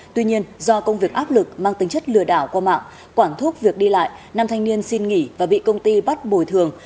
tuy nhiên do công việc áp lực mang tính chất lừa đảo qua mạng quản thúc việc đi lại năm thanh niên xin nghỉ và bị công ty bắt bồi thường